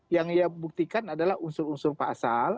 yang ia buktikan adalah unsur unsur pasal